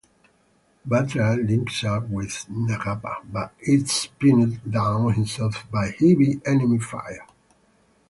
Batra links up with Nagappa but is pinned down himself by heavy enemy fire.